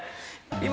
今。